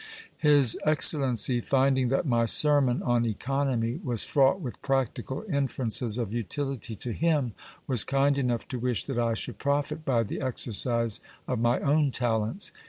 His excellency, finding that my sermon on economy was fraught with practical inferences of utility to him, was kind enough to wish that I should profit by the exercise of my own talents.